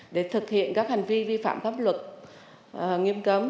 để thực hiện các hành vi vi phạm pháp luật nghiêm cấm